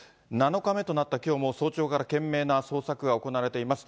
７日目となったきょうも、早朝から懸命な捜索が行われています。